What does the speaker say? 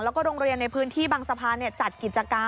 แล้วก็โรงเรียนในพื้นที่บางสะพานจัดกิจการ